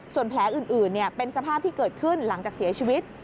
ส่วนแผลอื่นเป็นสภาพที่เกิดขึ้นหลังจากเสียชีวิต